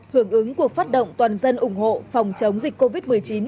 hưởng ứng cuộc phát động toàn dân ủng hộ phòng chống dịch covid một mươi chín